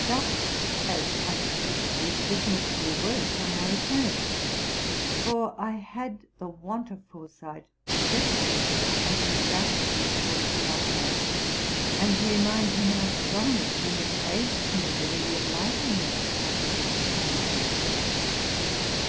Just as unexpectedly the business grew worse on our return; for I had the want of foresight to repre sent to him his ingratitude towards the young man, and to remind him how strongly he had praised to me the ready obligingness of this official person.